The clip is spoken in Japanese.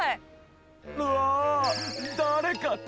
うわ！